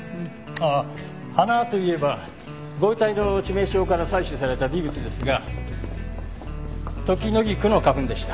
ああ花といえばご遺体の致命傷から採取された微物ですがトキノギクの花粉でした。